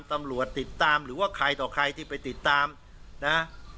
ตำรวจติดตามหรือว่าใครต่อใครที่ไปติดตามนะ